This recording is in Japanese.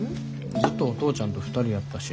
ずっとお父ちゃんと２人やったし。